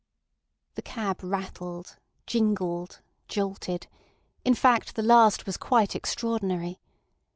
The cab rattled, jingled, jolted; in fact, the last was quite extraordinary.